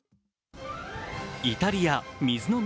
イタリア・水の都